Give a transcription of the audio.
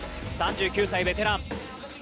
３９歳ベテラン。